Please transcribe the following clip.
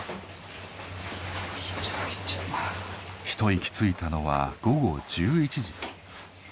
一息ついたのは午後１１時。